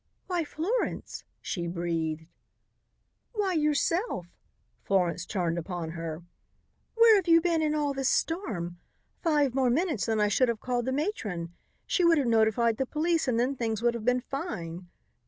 "Why, Florence!" she breathed. "Why, yourself!" Florence turned upon her. "Where've you been in all this storm? Five minutes more and I should have called the matron. She would have notified the police and then things would have been fine.